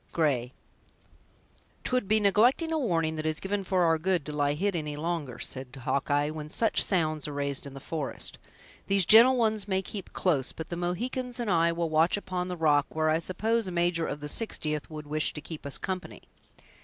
—Gray "'Twould be neglecting a warning that is given for our good to lie hid any longer," said Hawkeye "when such sounds are raised in the forest. These gentle ones may keep close, but the Mohicans and I will watch upon the rock, where I suppose a major of the Sixtieth would wish to keep us company."